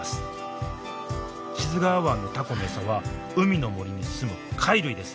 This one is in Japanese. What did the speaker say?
志津川湾のタコの餌は海の森に住む貝類です。